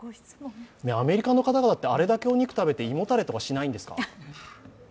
アメリカの方々ってあれだけお肉食べて胃もたれってしないんですか？